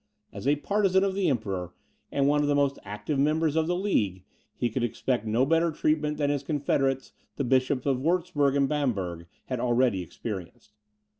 As a partisan of the Emperor, and one of the most active members of the League, he could expect no better treatment than his confederates, the Bishops of Wurtzburg and Bamberg, had already experienced.